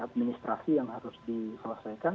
administrasi yang harus diselesaikan